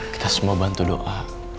kita semua bantu doa